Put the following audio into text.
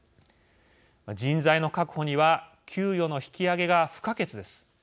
人材の確保には給与の引き上げが不可欠です。